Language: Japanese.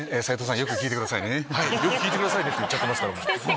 「よく聞いてくださいね」って言っちゃってますからもう。